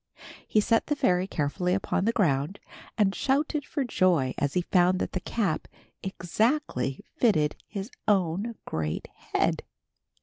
He set the fairy carefully upon the ground, and shouted for joy as he found that the cap exactly fitted his own great head.